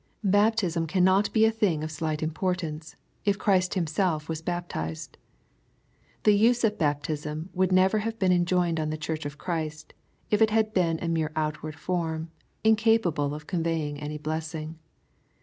Baptism cannot be a thing of slight importance^ if Christ Himself was baptized. The use of baptism would never have been enjoined on the Church of Christy if it had been a mere outward form, incapable of conveying any blessing.